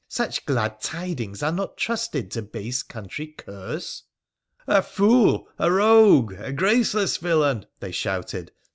' Such glad tidings are not trusted to base country curs.' ' A fool !'' A rogue !'' A graceless villain !' they shouted.